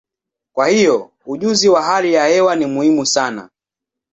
Kwa hiyo, ujuzi wa hali ya hewa ni muhimu sana.